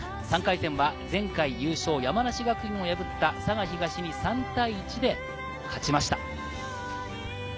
３回戦は前回優勝・山梨学院を破った佐賀東に３対１で勝ちました。